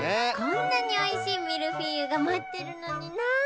こんなにおいしいミルフィーユがまってるのにな。